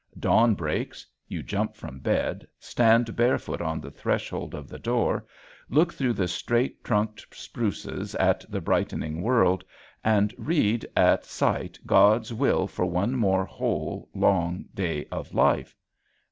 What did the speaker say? Dawn breaks, you jump from bed, stand barefoot on the threshold of the door, look through the straight trunked spruces at the brightening world, and read at sight God's will for one more whole, long day of life.